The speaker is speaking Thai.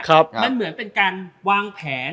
มันเหมือนเป็นการวางแผน